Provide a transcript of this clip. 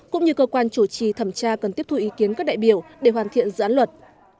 cũng như cơ quan chủ trì thẩm tra cần tiếp thu ý kiến các đại biểu để hoàn thiện dự án luật